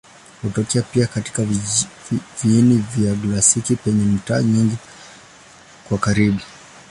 Hutokea pia katika viini vya galaksi penye mata nyingi kwa karibu.